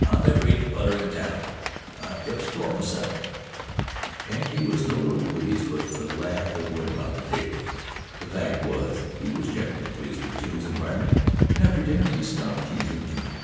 I never eats butter in town. I've kept store myself," and he was no little pleased with the laugh that went around the table. The fact was he was generally pleased with June's environment and, after dinner, he stopped teasing June.